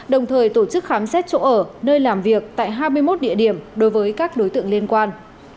đồng thời tổ chức khám xét chỗ ở nơi làm việc tại hai mươi một địa điểm đối với các đối tượng liên quan